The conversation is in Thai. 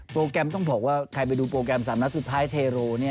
แกรมต้องบอกว่าใครไปดูโปรแกรม๓นัดสุดท้ายเทโร